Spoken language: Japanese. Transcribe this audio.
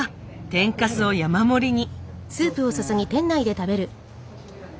天かすを山盛りに。